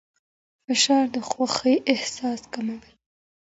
فشار د خوښۍ احساس کموي.